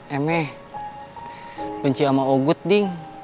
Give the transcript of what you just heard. emang benci sama oguh ding